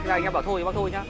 sau đó anh em bảo thôi